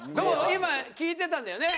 今聞いてたんだよね。